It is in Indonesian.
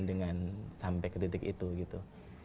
dengan sampai ke titik itu gitu